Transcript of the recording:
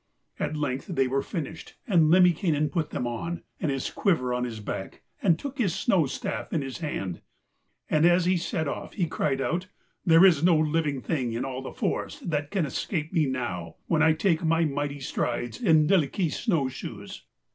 At length they were finished, and Lemminkainen put them on, and his quiver on his back, and took his snow staff in his hand, and as he set off he cried out: 'There is no living thing in all the forest that can escape me now, when I take my mighty strides in Lylikki's snow shoes.'